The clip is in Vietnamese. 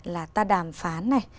là ta đàm phán này